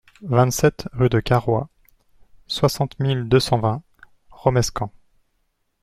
vingt-sept rue de Carroix, soixante mille deux cent vingt Romescamps